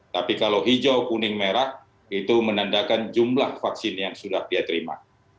tapi kalau hijau kuning merah itu menandakan jumlah vaksin yang sudah dia terima